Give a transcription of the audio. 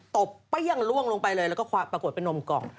ตบเปรี้ยงล่วงลงไปเลยแล้วก็ปรากฏเป็นนมกล่อง